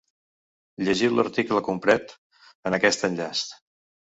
Llegiu l’article complet en aquest enllaç.